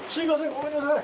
ごめんなさい